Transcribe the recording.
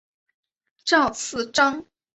赵锡章。